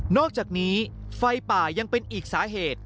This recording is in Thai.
อกจากนี้ไฟป่ายังเป็นอีกสาเหตุ